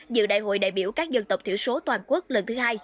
dự đại hội đại biểu các dân tộc thiểu số toàn quốc lần thứ hai